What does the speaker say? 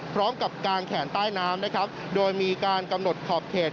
พร้อมกับการแขนใต้น้ำโดยมีการกำหนดขอบเขต